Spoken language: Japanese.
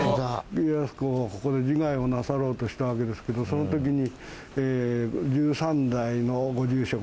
家康公はここで自害をなさろうとしたわけですけどその時に。